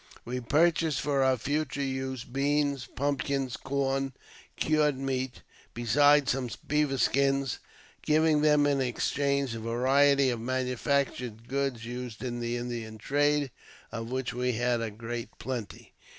We pur chased for our future use beans, pumpkins, corn, cured meat, besides some beaver skins, giving them in exchange a variety of manufactured goods used in the Indian trade, of which we had a great plenty.